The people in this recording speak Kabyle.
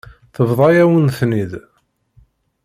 Tebḍa-yawen-ten-id.